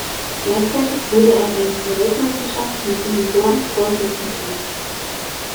Gleichzeitig wurde er bei dieser Weltmeisterschaft mit sieben Toren Torschützenkönig.